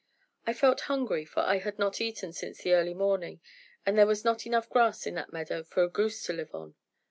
I felt hungry, for I had not eaten since the early morning, but there was not enough grass in that meadow for a goose to live on.